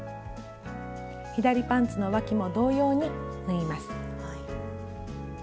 左パンツのわきも同様に縫います。